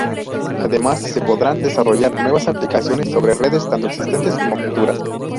Además, se podrán desarrollar nuevas aplicaciones sobre redes tanto existentes como futuras.